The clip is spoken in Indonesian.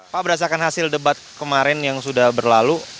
pak berdasarkan hasil debat kemarin yang sudah berlalu